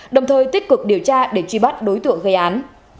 đồng thời tích cực điều tra để truy bắt đối tượng gây án